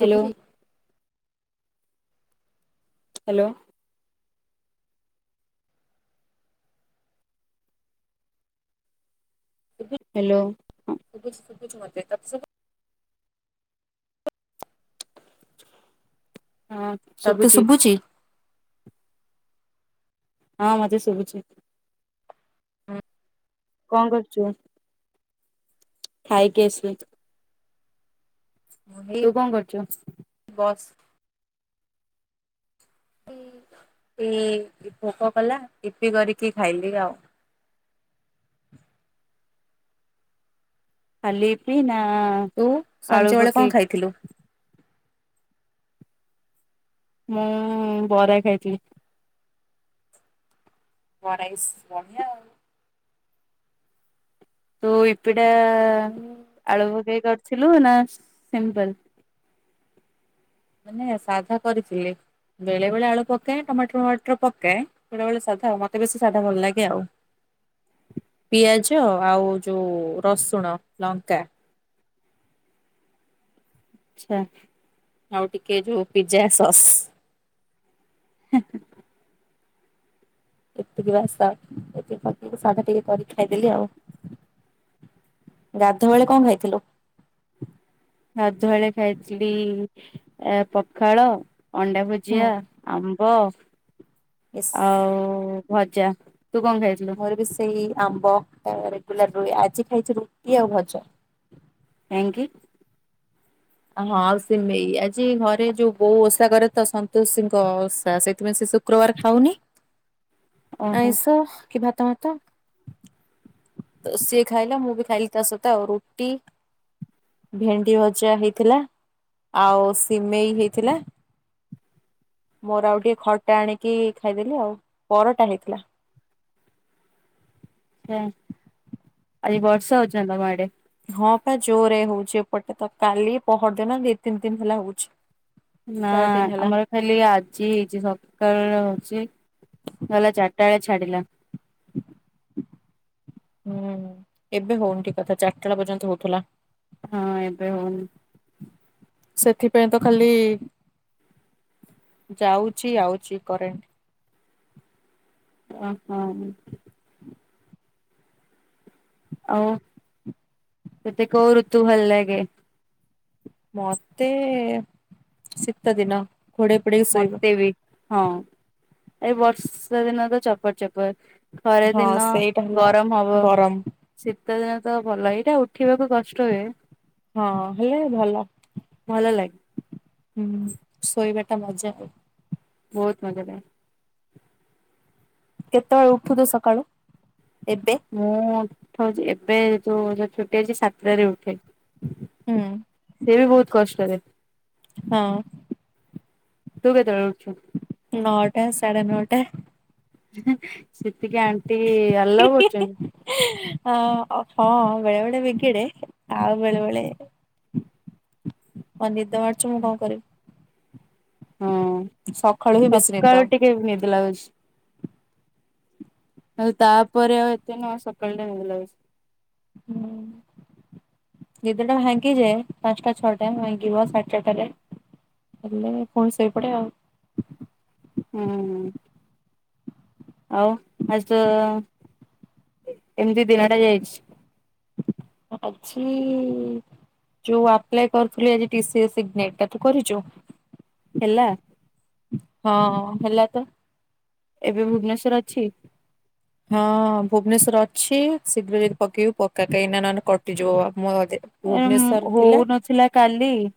Hello hello. Hello. ଶୁଭୁଛି ଶୁଭୁଛି ମତେ ତାପରେ ସେ ହଁ ଶୁଭୁଚି। ହଁ ମତେ ବି ଶୁଭୁଛି। ହୁଁ। କଣ କରୁଚୁ? ଖାଇକି ଆସିଲି। ମୁଁ ହେଇ ତୁ କଣ କରୁଚୁ? ବସିଚି [unintelligible] ଇ ଭୋକ କଲା ୟିପି କରିକି ଖାଇଲି ଆଉ। [unintelligible] ଖାଲି ୟିପି ନା ତୁ ଆଳୁ ସଞ୍ଜବେଳେ କଣ ପକେଇକି ଖାଇଥିଲୁ? ମୁଁ ବରା ଖାଇଥିଲି। ବରା ଇସ୍ ବଢ଼ିଆ ଆଉ। ତୁ ୟିପିଟା ମୁଁ ଆଳୁ ପକେଇ କରିଥିଲୁ ନା ସିମ୍ପଲ୍। ମାନେ ସାଧା କରିଥିଲି। ବେଳେ ବେଳେ ଆଳୁ ପକାଏ, ଟମାଟର ଫମାଟର ପକାଏ, ବେଳେ ବେଳେ ସାଧା ଆଉ ମତେ ବେଶୀ ସାଧା ଭଲ ଲାଗେ ଆଉ। ହ [inaudible] ପିଆଜ ଆଉ ଯୋଉ ରସୁଣ, ଲଙ୍କା। ଆଛା । ଆଉ ଟିକେ ଯୋଉ ପିଜ୍ଜା ସସ୍। ଏତିକି ବାସ୍ ତା ପ ପକେଇ ସାଧା ଟିକେ କରିିକି ଖାଇଦେଲି ଆଉ। ଗାଧୁଆ ବେଳେ କଣ ଖାଇଥିଲୁ? ଗାଧୁଆଳେ ଖାଇଥିଲି, ଏ ପଖାଳ ଅଣ୍ଡା ହୁଁ ଭୁଜିଆ, ଆମ୍ବ, ୟେସ୍। ଆଉ ଭଜା। ତୁ କଣ ଖାଇଥିଲୁ? ମୋର ବି ସେଇ ଆମ୍ବ ରେଗୁଲାର ରୁହେ, ଆଜି ଖାଇଛି ରୁଟି ଆଉ ଭଜା। କାହିଁକି? ହଁ ଆଉ ସିମେଇ, ଆଜି ଘରେ ଯୋଉ ବୋଉ ଓଷା କରେ ତ ସନ୍ତୋଷୀଙ୍କ ଓଷା ସେଇଥିପାଇଁ ଶୁକ୍ରବାର ଖାଉନି। ହ [inaudible] ଆଇଁଷ କି ଭାତ ମାତ। ତ ସିଏ ଖାଇଲା, ମୁଁ ବି ଖାଇଲି ତା ସହିତ, ରୁଟି ଭେଣ୍ଡି ଭଜା ହେଇଥିଲା ଆଉ ସିମେଇ ହେଇଥିଲା। ମୋର ଆଉ ଟିକେ ଖଟା ଆଣିକି ଖାଇଦେଲି ଆଉ, ପରଟା ହେଇଥିଲା। ଏଁ, ଆଜି ବର୍ଷା ହଉଚି ନା ତମ ଆଡ଼େ? ହଁ ପା ଜୋରରେ ହଉଛି ଏପଟେ, ତ କାଲି ପହରଦିନ ଦି ତିନି ଦିନ ହେଲା ହଉଛି। ନା ଚାରି ଦିନ ହେଲା। ଆମର ଖାଲି ଆଜି ହେଇଛି ସକାଳୁ ହୋଉଛି। ଗଲା ଚାରିଟା ବେଳେ ଛାଡିଲା। ହୁଁ ଏବେ ହଉନି ଠିକ୍ କଥା, ଚାରିଟା ବେଳ ପର୍ଯ୍ୟନ୍ତ ହଉଥିଲା। ହଁ ଏବେ ହଉନି। ସେଥିପାଇଁ ତ ଖାଲି ଯାଉଛି ଆଉଛି କରେଣ୍ଟ୍। ଓ ହଁ। ଆଉ ସେଠି କଉ ଋତୁ ଭଲ ଲାଗେ? ମତେ ଶୀତ ଦିନ ଘୋଡ଼େଇ ପୁଡ଼େଇ ଶୋଇବ । ମତେ ବି ହଁ, ଏଇ ବର୍ଷା ଦିନ ତ ଚପର ଚପର । ଖରା ହଁ ଦିନ ସେଇଟା ହେଲା ଗରମ ହବ, ଗରମ ଶୀତ ଦିନ ତ ଭଲ, ଏଇଟା ଉଠିବାକୁ କଷ୍ଟ ହୁଏ । ହଁ ହେଲେ ଭଲ । ଭଲ ଲାଗେ ହୁଁ, ଶୋଇବାଟା ମଜା ବହୁତ ମଜାଦାର । କେତେବେଳେ ଉଠୁଚ ସକାଳୁ? ଏବେ ମୁଁ ଉଠୁଚ଼ି, ଏବେ ଯୋଉ, ଯୋଉ ଛୁଟି ଅଛି ସାତଟାରେ ଉଠେ । ହୁଁ ସେ ବି ବହୁତ କଷ୍ଟରେ । ହଁ । ତୁ କେତେବେଳେ ଉଠଚୁ? ନଅଟା, ସାଢ଼େ ନଅଟା । ସେତିକି ଆଣ୍ଟି ଆଲାଉ କରୁଚ଼ନ୍ତି? ଆ ଅ ହଁ ବେଳେବେଳେ ବିଗିଡେ ଆଉ ବେଳେବେଳେ ମତେ ନିଦ ମାଡ଼ୁଚି ମୁଁ କଁ କରିବି? ହଁ, ସକାଳୁ ହିଁ ବେଶୀ ନିଦ ସକାଳୁ ଟିକେ ନିଦ ଲାଗୁଛି । ଆଉ ତାପରେ ଆଉ ଏତେ ନୁଅ, ସକାଳ ଟା ନିଦ ଲାଗୁଚ଼ି । ହୁଁ । ନିଦଟା ଭାଙ୍ଗିଯାଏ ପାଞ୍ଚଟା, ଛଅଟା ଭାଙ୍ଗିବ ସାଢେ ଚାରଟାରେ । ହେଲେ ପୁଣି ସୋଇପଟେ ଆଉ । ହୁଁ। ଆଉ [unintelligible] ଏମିତି ଦିନ ଟା ଯାଇଚ଼ି । ଆଜି ଯୋଉ ଆପ୍ଲାଏ କରୁଥିଲି ଆଜି ଟିସିଏ ସିଗ୍ନେ ଟା ତୁ କରିଚୁ? ହେଲା? ହଁ ହେଲା ତ । ଏବେ ଭୁବନେଶ୍ୱର୍ ଅଛି? ହଁ ଭୁବନେଶ୍ଵର ଅଛି ଶୀଘ୍ର ଯଦି ପକେଇବୁ ପକ୍କା କାଇଁନା ନନେ କଟିଯିବ ଆ ଏ ଉୁଁ ହଉନଥିଲା କାଲି ।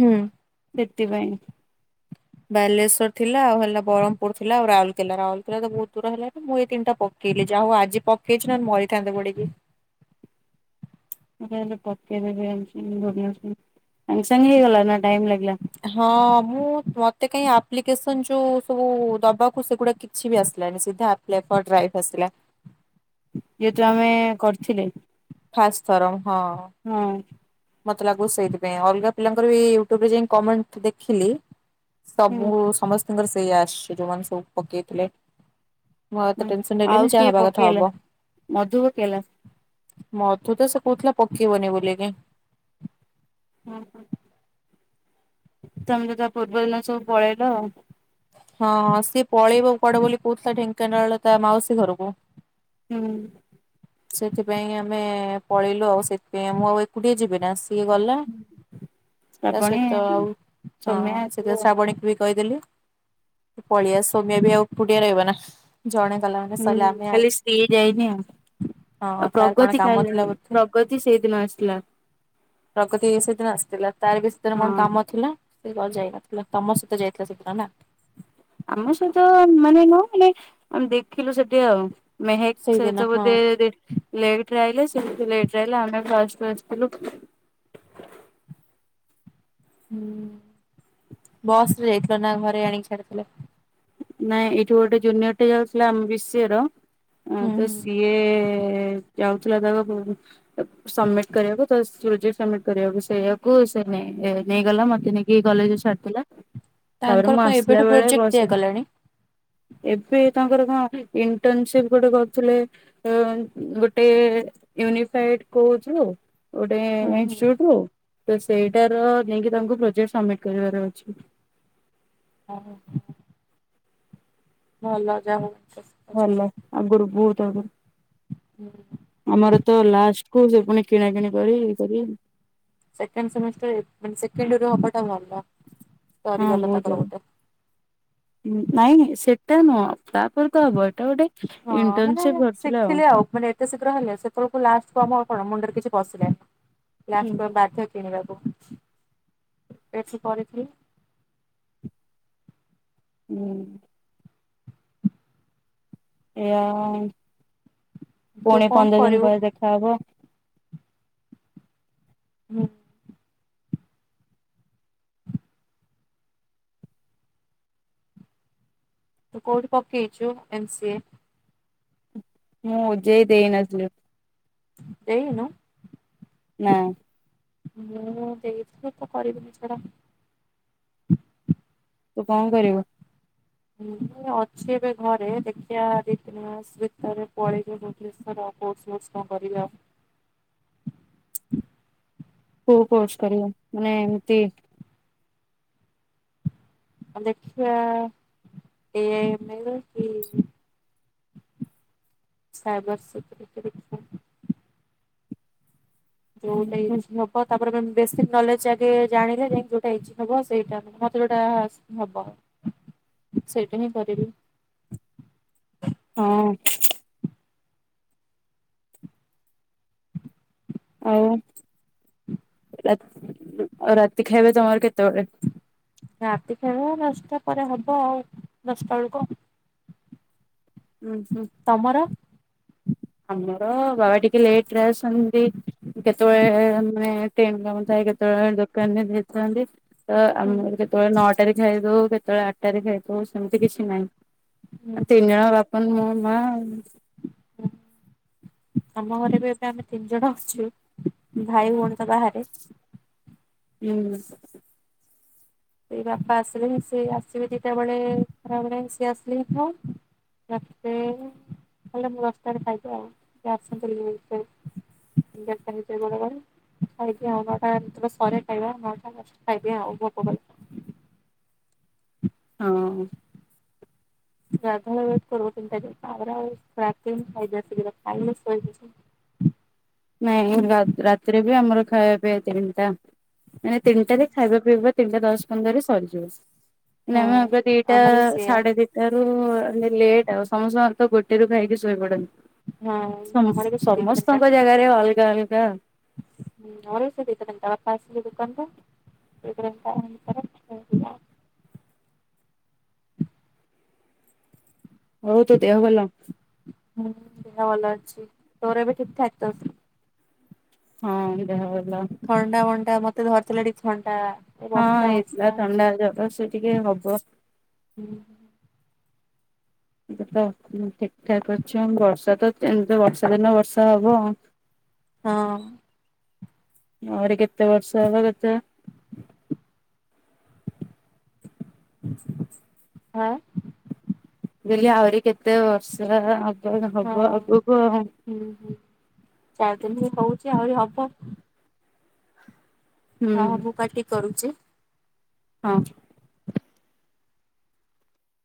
ହୁଁ। ସେତିପାଇଁ । ବାଲେଶ୍ଵର ଥିଲା ଆଉ ହେଲା ବରମ୍ ପୁର୍ ଥିଲା ଆଉ ରାଉରକେଲା ରାଉରକେଲା ତ ବହୁତ ଦୂର ହେଲା ମୁଁ ଏଇ ତିନିଟା ପକେ କେଇଲେ ଯାହା ହଉ ଆଜି ପକେଇଛି ନଲେ ମରିଥାନ୍ତି ପଡିକି । [unintelligible] ପକେଇ ଦେବି ଆଜି [unintelligible] ସାଙ୍ଗେ ସାଙ୍ଗେ ହେଇଗଲା ନା? ଟାଇମ ଲାଗିଲା ହଁ ମୁଁ ମତ୍ ତେ କାଇଁ ଆପ୍ଲିକେସନ୍ ଯୋଉ ସବୁ ଦବାକୁ ସେଗୁଡା କିଛି ବି ଆସଲାନି ସିଧା ଆପ୍ଲାଏ ଫର୍ ଡ୍ରାଇଭ୍ ଆସିଲା । ଯେଏତୁ ଆମେ କରିଥିଲେ ଫାଷ୍ଟ୍ ଥର । ହଁ । ମତେ ଲାଗୁଛି ସେଇଥିପାଇଁ ଅଲଗା ପିଲାଙ୍କର ବି ୟୁଟ୍ୟୁବ ରେ ଯାଇଁ କମେଣ୍ଟ ଦେଖିଲି ହୁଁ ସବୁ ସମସ୍ତିଙ୍କର ସେୟା ଆସୁଚ଼ି ଯୋଉମାନେ ସବୁ ପକେଇଥିଲେ । ମୁଁ ହୁଁ ଆତେ ଟେନସନ୍ ଆଉ ନେଲିନି ଯା କିଏ ହବା କଥା ପକେଇଲା ହବ । ମଧୁ ପକେଇଲା ମଧୁ ତ ସେ କହୁଥିଲା ପକେଇିବନି ବୋଲିକି । ହୁଁ ହୁଁ ତମେ ତା ପୂର୍ବ ଦିନ ସବୁ ପଳେଇଲ ଆଉ । ହଁ ସିଏ ପଳେଇବ କୁଆଡେ ବୋଲି କହୁଥିଲା ଢେଙ୍କାନାଳ ତା ମାଉସୀ ଘରକୁ । ହୁଁ । ସେଥିପାଇଁ ଆମେ ପଳେଇଲୁ ଆଉ ସେଥିପାଇଁ ମୁଁ ଆଉ ଏକୁଟିଆ ଯିବି ନା ସେ ଟିକେ ଗଲା ତା ଶ୍ରାବଣୀ ସହିତ ଆଉ ହଁ ସୌମ୍ୟା ସେଥି ତୁ ଆଉ ଶ୍ରାବଣୀକୁ ବି କହିଦେଲି । ପଳିଆ ସୋମ୍ୟା ବି ଆଉ ଏକୁଟିଆ ରହିବ ନା । ହୁଁ ଖାଲି ଶ୍ରୀ ଯାଇନି ଆଉ । ହଁ ଆ ତାର କଣ ପ୍ରଗତି କାମ କାଇଁ ଥିଲା ବୋଧେ ପ୍ରଗତି ସେଇଦିନ ଆସଥିଲା । ପ୍ରଗତି ଏ ସେଦିନ ଆସିଥିଲା। ତାର ବି ସେଥିରେ ହଁ କଣ କାମ ଥିଲା ସେ ଯାଇନଥିଲା ତମ ସହିତ ଯାଇଥିଲା ସେଦିନ ନା! ! ଆମ ସହିତ ମାନେ ନୁହ ମାନେ ଆମେ ଦେଖିଲୁ ସେଠି ଆଉ। ମେହେକ୍ ସେଇଦିନ ସହିତ ହଁ ବୋଧେ [unintelligible] ଲେଟରେ ଆଇଲେ ସେ ବୋଧେ ଲେଟରେ ଆଇଲେ ଆମେ ଫଷ୍ଟୁ ଆସିଥିଲୁ । ହୁଁ ବସ ରେ ଯାଇଥିଲ ନା ଘରେ ଆଣିକି ଛାଡିଥିଲେ? ନାଇଁ ଏଇଠୁ ଗୋଟେ ଜୁନିୟର ଟେ ଯାଉଥିଲା ଆମ ବି ସି ଏର ହୁଁ ତ ହୁଁ। ସିଏ ଯାଉଥିଲା ତାପାଖକୁ ସବମିଟ କରିବାକୁ ତ ପ୍ରୋଜେକ୍ଟ ସବମିଟ କରିବାକୁ ସେଇଆକୁ ସେ ନେଇ ଏ ନେଇଗଲା ମତେ ନେଇକି କଲେଜ ରେ ଛାଡିଦେଲା ତାପରେ ତାଙ୍କର ମୁଁ କଣ ଏବେଠୁ ଆସିଲା ବେଳେ ପ୍ରୋଜେକ୍ଟ ବସ୍ ଅଛି ଦିଆଗଲାଣି ହୁଁ [unintelligible] ଏବେ ତାଙ୍କର କଣ ଇଣ୍ଟରନସିପ ଗୋଟେ କରୁଥିଲେ ଗୋଟେ ୟୁନିଫାଇଡ କୋହୁଛୁ ଗୋଟେ ହୁଁ ହୁଁ ଇନଷ୍ଟିଚ୍ୟୁଟ ରୁ ତ ସେଇଟାର ନେଇକି ତାଙ୍କୁ ପ୍ରୋଜେକ୍ଟ ସବମିଟ୍ କରିବାର ଅଛି। ଓହୋ । ହଁ ଲ ଯାହୋଉ। ଭଲ ଆଗୁରୁ ବୋହୁତ ଆଗରୁ ହୁଁ [unintelligible] ଆମର ତ ଲାଷ୍ଟ କୁ ସେ ପୁଣି କିଣା କିିଣି କରି ଇଏକରି ସେକେଣ୍ଡ ସେମଷ୍ଟର ମେନେ ସେକେଣ୍ଡୟର ହବାଟା ଭଲ। ହଁ ସରିଗଲା ବହୁତ ତାଙ୍କର ଭଲ, ଗୋଟେ ନାଇଁନାଁଇ ସେଟା ନୁହଁ, ତାପରେ ତ ହବ ଏଟା ଗୋଟେ ହଁ ମାନେ ଇଣ୍ଟର୍ନସିପ କରିଥିଲେ ଶିଖିଲେ ଆଉ, ମାନେ ଏତେ ଶୀଘ୍ର ହେଲେ ସେତେବେଳ ଲାଷ୍ଟ ଆମ କଣ ମୁଣ୍ଡରେ କିଛି ପସିଲାନି, ହୁଁ ଲାଷ୍ଟ ପୁରା ବାଧ୍ୟ କିିଣିବାକୁ । ଏଠି କରିଥିଲେ । ହୁଁ । ଏଆ ତୁ ପୁଣି କଣ ପନ୍ଦର ଦିନ କରିବୁ ପରେ ଦେଖାହବ । ହୁଁ । କଉଠି ପକେଇଛୁ ଏମ୍ ସି ଏ? ମୁଁ ଓଜେଇ ଦେଇନଥିଲି । ଦେଇନୁ! ନାଁ । ମୁଁ ଦେଇଥିଲି ତ କରିବିନି ଛାଡ । ତୁ କଣ କରିବୁ? ଅଛି ଏବେ ଘରେ ଦେଖିବା ଦି ତିନି ମାସ ଭିତରେ ପଳେଇବି ଭୁବନେଶ୍ଵର ଆଉ କୋରସ୍ ଫୋର୍ସ କଣ କରିବି ଆଉ [unintelligible] କୋଉ କୋର୍ସ କରିବୁ? ମାନେ ଏମିତି ଦେଖିଆ ଏ ମ ର କି ସାଇବର ସକ୍ୟରିଟି ଦେଖିଆ ଯୋଉଟା ଇଜି ହେବ ତ ପରେ ବେସିକ ନଲେଜ ଆଗେ ଜାଣିଲେ ଯାଇ ଯୋଉଟା ଇଛା ହବ, ସେଇଟା ମତେ ଯୋଉଟା ହବ। ସେଇଟା ହିଁ କରିବି। ହଁ । ଆଉ ରାତ ଆଉ ରାତି ଖାଇବେ ତମର କେତେବେଳେ? ରାତି ଖାଇବା ଦଶଟା ପରେ ହବ ଆଉ, ଦଶଟା ବେଳକୁ। ଓଂ ହୁଁ ତମର? ଆମର ବାବା ଟିକେ ଲେଟ ରେ ଆସନ୍ତି, କେତେବେଳେ ଏଁ ମାନେ ଟ୍ରେନ କାମଥାଏ, କେତେବେଳେ ଦୋକାନ ରେ ଦେଇଥାନ୍ତି । ତ ହୁଁ। ଆମର କେତେବେଳେ ନଅଟାରେ ଖାଇଦଉ, କେତେବେଳେ ଆଠଟାରେ ଖାଇଦଉ, ସେମିତି କିଛି ନାହିଁ। ହୁଁ ହୁଁ ତିନ ଜଣ ବାପୁନୁ, ମୁଁ, ମା ଆଉ ହୁଁ ଆମ ଘରେ ବି ଏବେ ଆମେ ତିନି ଜଣ ଅଛୁ, ଭାଇ ଭଉଣୀ ତ ବାହାରେ--? ହୁଁ। ସେ ବାପା ଆସିଲେ, ସେ ଆସିବେ ଦିଟା ବେଳେ, ଖରା ବେଳେ, ସିଏ ଆସିଲେ ତ [unintelligible] [unintelligible] ଖାଇକି ଆଉ ଗୋଟେ ତମ ସରେ ଖାଇବା [unintelligible] ଖାଇବି ଆଉ ଭୋକ କଲେ। ହଁ। ଗାଧୋଇ ବେଟ କରେ ତିନିଟା ଯାଏଁ ତାପରେ ଆଉ [unintelligible] ଖାଇ ଦିଏ ଶୀଘ୍ର ଖାଇଲେ ଶୋଇ [inaudible] ନାଇଁ ରାତିରେ ବି ଆମର ଖାଇବା ପିଇବା ତିନିଟା, ମାନେ ତିନିଟାରେ ଖାଇବା ପିଇବା ତିନିଟା ଦଶ ପନ୍ଦରରେ ସରିଯିବ। ନାଁ ହଁ ମ, ଏବେ ଦିଟା, ଆମର ବି ସେଇଆ ସାଢେ ଦିଟା ରୁ ଲେଟ୍ ଆଉ ସମସ୍ତେ ତ ଗୋଟେ ରୁ ଖାଇକି ଶୋଇ ପଡନ୍ତି, ହଁ ସମସ ଆମର ବି ସେ ସମସ୍ତଙ୍କ ଆଲଗା ଅଲଗା ହଁ ମୋର ସେଇ ଦିଟା ତିନିଟା, ବାପା ଆସିଲେ ଦୋକାନ ରୁ [unintelligible] ହଉ ତ ଦେହ ଭଲ? ହୁଁ, ଦେହ ଭଲ ଅଛି, ତୋର ଏବେ ଠିକ ଠାକ ତ? ହଁ ଦେହ ଭଲ ଥଣ୍ଡା ମଣ୍ଡା ମତେ ଧରିଥିଲା ଟିକେ ଥଣ୍ଡ ହଁ, ହେଇଥିଲା ଥଣ୍ଡା ଜର ସେଟିି କେ ହବ। ହୁଁ। ଏବେ ତ ଠିକ୍ ଠାକ୍ ଅଛୁଁ ।ବର୍ଷା ତ ଏମତି ତ ବର୍ଷା ଦିନ ବର୍ଷା ହବ ଆଉଁ। ହଁ। ଆହୁରି କେତେ ବର୍ଷ ହବ ତତେ? ଆ [inaudible] ଆଁ। ମୁଁ କହିଲି, ଆହୁରି କେତେ ବର୍ଷ ହବ ହଁ ହବ ଆଗକୁଁ ଆଉ? ହୁଁ ହୁଁ ଚାରି ଦିନ ହିଁ ହଉଛି, ଆହୁରି ହବ। ହୁଁ ହଁ, ମୁଁ କାଟିକ କରୁଛି। ହଁ।